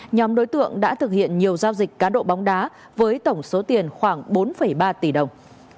nhóm đối tượng đã thực hiện nhiều giao dịch cá độ bóng đá với tổng số tiền khoảng bốn ba tỷ đồng